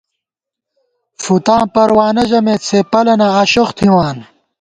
فُتاں پروانہ ژَمېت ، سے پلَنہ آشوخ تھِمان